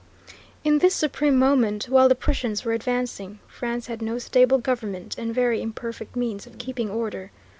In this supreme moment, while the Prussians were advancing, France had no stable government and very imperfect means of keeping order.